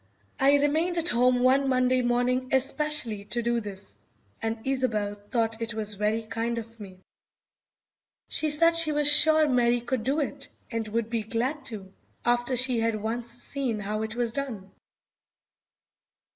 I remained at home one Monday morning especially to do this, and Isobel thought it was very kind of me. She said she was sure Mary could do it, and would be glad to, after she had once seen how it was done.